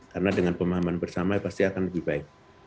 karena dengan pemahaman bersama pasti akan lebih baik